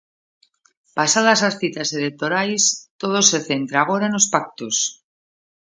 Pasadas as citas electorais todo se centra agora nos pactos.